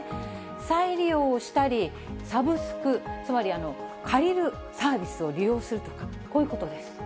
再利用をしたり、サブスク、つまり借りるサービスを利用すると、こういうことです。